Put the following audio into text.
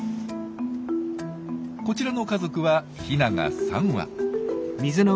こちらの家族はヒナが３羽。